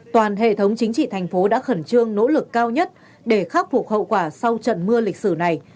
toàn hệ thống chính trị thành phố đã khẩn trương nỗ lực cao nhất để khắc phục hậu quả sau trận mưa lịch sử này